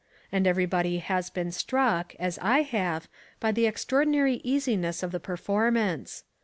And everybody has been struck, as I have, by the extraordinary easiness of the performance.